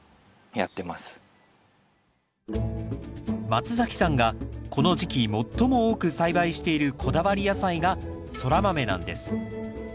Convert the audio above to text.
松崎さんがこの時期最も多く栽培しているこだわり野菜がソラマメなんです。